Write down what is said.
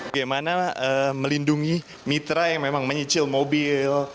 bagaimana melindungi mitra yang memang menyicil mobil